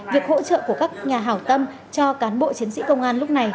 việc hỗ trợ của các nhà hào tâm cho cán bộ chiến sĩ công an lúc này